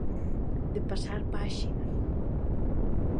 De pasar páxina.